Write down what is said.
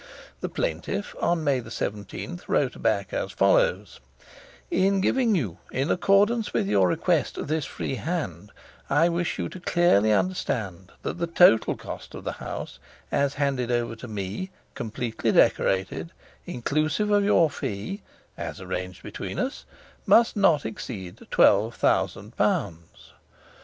The plaintiff, on May 17, wrote back as follows: 'In giving you, in accordance with your request, this free hand, I wish you to clearly understand that the total cost of the house as handed over to me completely decorated, inclusive of your fee (as arranged between us) must not exceed twelve thousand pounds.